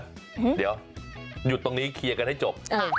หยุดตรงนี้เคลียร์กันให้จบ